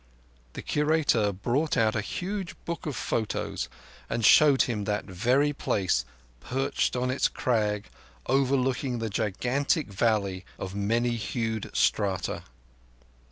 The Curator brought out a huge book of photos and showed him that very place, perched on its crag, overlooking the gigantic valley of many hued strata.